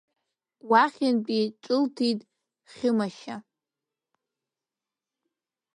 Уахьынтәи ҿылҭит Хьымашьа.